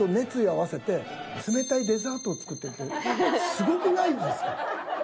すごくないですか？